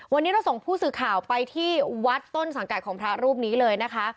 วันนี้เราส่งผู้สื่อข่าวไปที่วัดต้นสังกัดของพระรูปนี้เลยนะคะ